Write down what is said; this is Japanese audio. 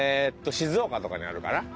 静岡とかにあるかな。